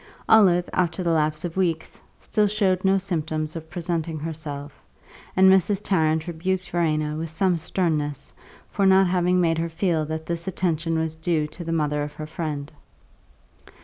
Olive, after the lapse of weeks, still showed no symptoms of presenting herself, and Mrs. Tarrant rebuked Verena with some sternness for not having made her feel that this attention was due to the mother of her friend.